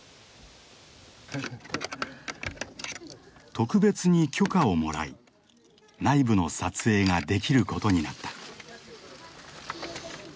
特別に許可をもらい内部の撮影ができることになった。